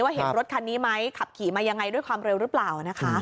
เห็นรถคันนี้ไหมขับขี่มายังไงด้วยความเร็วหรือเปล่านะคะ